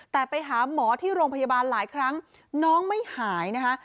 แต่ไปหาหมอที่โรงพยาบาลหลายครั้งน้องไม่หายนะคะ